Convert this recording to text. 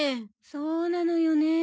そうなのよね。